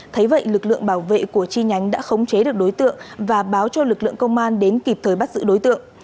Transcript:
thấy vậy lực lượng bảo vệ của chi nhánh đã khống chế được đối tượng và báo cho lực lượng công an đến kịp thời bắt giữ đối tượng